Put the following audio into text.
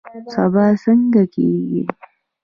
سبا څنګه کیږي؟